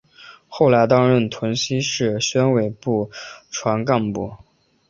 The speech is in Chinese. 后来担任屯溪市委宣传部干部。